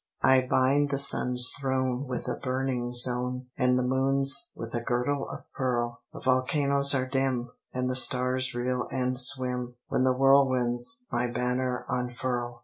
I bind the Sun's throne with a burning zone, And the Moon's with a girdle of pearl; The volcanoes are dim, and the Stars reel and swim, When the Whirlwinds my banner unfurl.